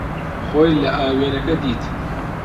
خۆی لە ئاوێنەکە دیت.